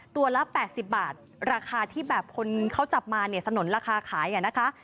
ตัวละ๘๐บาทราคาที่แบบคนเขาจับมาเนี่ยสนุนราคาขายนะคะ